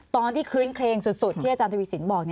ตอนที่เคลื่อนเคลงสุดที่อาจารย์ทวิสินบอก